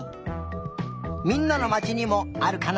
みんなのまちにもあるかな？